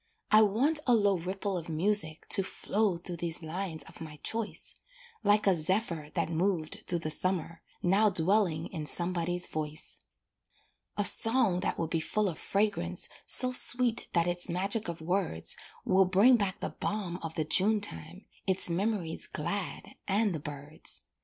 I want a low ripple of music To flow through these lines of my choice, Like a zephyr that moved through the summer, Now dwelling in somebody's voice; A song that will be full of fragrance So sweet that its magic of words Will bring back the balm of the June time, Its memories glad, and the birds.